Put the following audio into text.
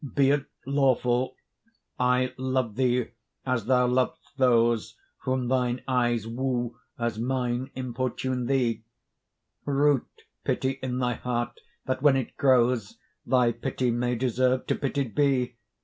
Be it lawful I love thee, as thou lov'st those Whom thine eyes woo as mine importune thee: Root pity in thy heart, that, when it grows, Thy pity may deserve to pitied be.